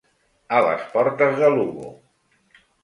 A les portes de Lugo.